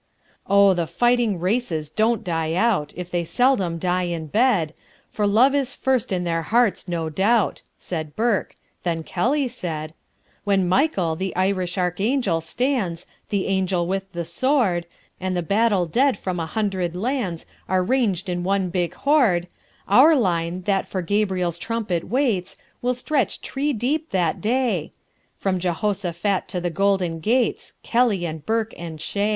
"Oh, the fighting races don't die out, If they seldom die in bed, For love is first in their hearts, no doubt," Said Burke. Then Kelly said: "When Michael, the Irish Archangel, stands, The angel with the sword, And the battle dead from a hundred lands Are ranged in one big horde, Our line, that for Gabriel's trumpet waits, Will stretch tree deep that day, From Jehoshaphat to the Golden Gates Kelly and Burke and Shea."